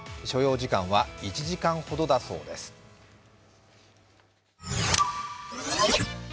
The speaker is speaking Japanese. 所要時間は１時間ほどだそうです。